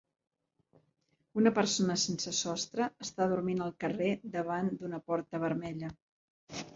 Una persona sense sostre està dormint al carrer davant d'una porta vermella.